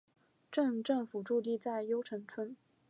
镇政府驻地在筱埕村。